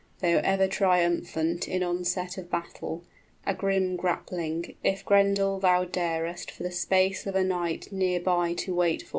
} Though ever triumphant in onset of battle, A grim grappling, if Grendel thou darest 30 For the space of a night near by to wait for!"